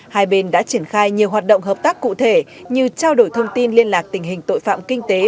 hai bên đã triển khai nhiều hoạt động hợp tác cụ thể như trao đổi thông tin liên lạc tình hình tội phạm kinh tế